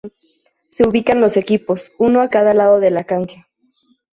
Se ubican los equipos, uno a cada lado de la cancha.